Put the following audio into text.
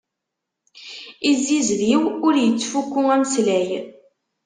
Izzizdiw, ur ittfukku ameslay.